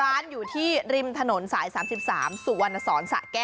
ส่วนเมนูที่ว่าคืออะไรติดตามในช่วงตลอดกิน